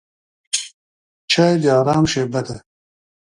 چای د آرام شېبه ده.